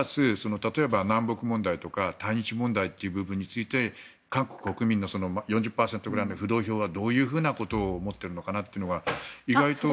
例えば南北問題とか対日問題ということについて韓国国民の４０％ぐらいの浮動票はどういうことを思っているのかなというのは。